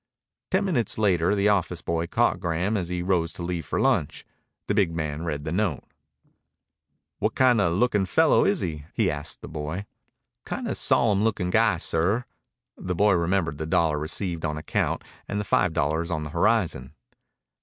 Ten minutes later the office boy caught Graham as he rose to leave for lunch. The big man read the note. "What kind of looking fellow is he?" he asked the boy. "Kinda solemn lookin' guy, sir." The boy remembered the dollar received on account and the five dollars on the horizon.